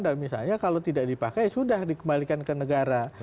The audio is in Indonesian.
dan misalnya kalau tidak dipakai sudah dikembalikan ke negara